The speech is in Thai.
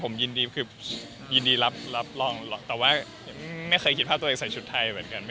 มีโอกาสว่าผมก็คงใส่เนาะ